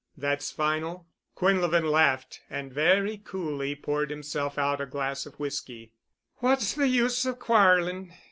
"That's final?" Quinlevin laughed and very coolly poured himself out a glass of whisky. "What's the use of quarreling?